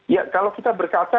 ya kalau kita berkata